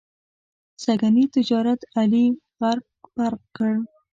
سږني تجارت علي غرق پرق کړ.